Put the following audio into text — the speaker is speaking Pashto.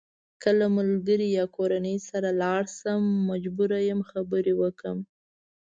که له ملګري یا کورنۍ سره لاړ شم مجبور یم خبرې وکړم.